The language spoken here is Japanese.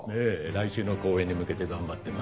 来週の公演に向けて頑張ってます。